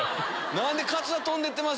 何でカツラ飛んでってます